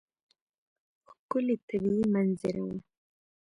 ښکلې طبیعي منظره وه.